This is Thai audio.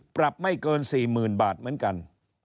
ปรับไม่เกิน๔๐๐๐บาทเหมือนกัน